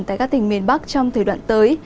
tại các tỉnh miền bắc trong thời đoạn tới